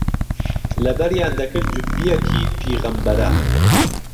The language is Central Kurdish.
لهبەریان دهکرد جوببیەکی پیغهمبەره